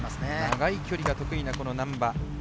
長い距離が得意な難波。